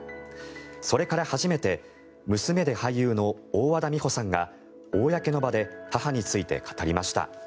それから初めて娘で俳優の大和田美帆さんが公の場で母について語りました。